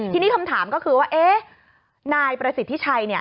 ทีนี้คำถามก็คือว่านายประสิทธิ์ทิชัย